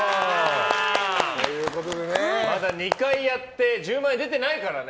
まだ２回やって１０万円出てないからね。